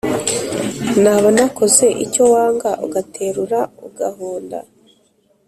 Naba nakoze icyo wanga Ugaterura ugahonda